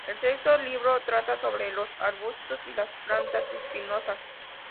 El sexto libro trata sobre los arbustos y las plantas espinosas.